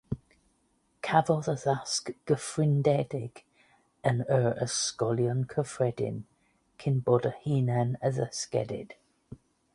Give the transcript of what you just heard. Cafodd addysg gyfyngedig yn yr ysgolion cyffredin, cyn bod yn hunan-addysgedig.